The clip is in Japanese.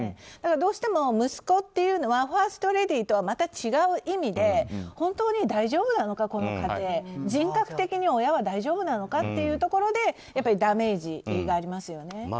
どうしても息子っていうのはファーストレディーとはまた違う意味で本当に大丈夫なのか、この家庭と人格的に親は大丈夫なのかというところでやっぱりダメージがありますよね。